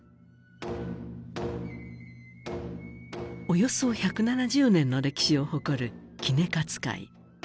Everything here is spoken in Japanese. およそ１７０年の歴史を誇る杵勝会。